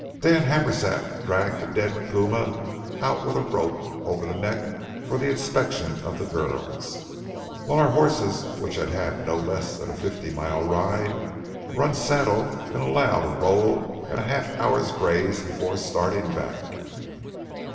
Dan Happersett dragged the dead puma out with a rope over the neck for the inspection of the girls, while our horses, which had had no less than a fifty mile ride, were unsaddled and allowed a roll and a half hour's graze before starting back.